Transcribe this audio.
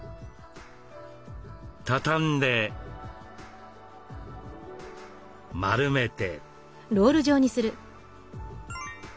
畳んで丸めて。